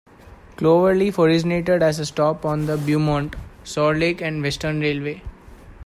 Cloverleaf originated as a stop on the Beaumont, Sour Lake and Western Railway.